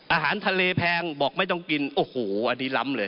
อาหารทะเลแพงบอกไม่ต้องกินโอ้โหอันนี้ล้ำเลย